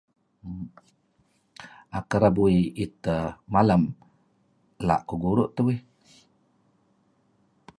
Kereb uih iit teh malem ela' kuh guru' teh uih.